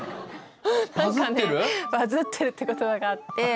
何かね「バズってる」って言葉があって。